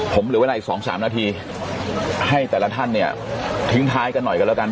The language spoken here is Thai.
ผมเหลือเวลาอีก๒๓นาทีให้แต่ละท่านเนี่ยทิ้งท้ายกันหน่อยกันแล้วกัน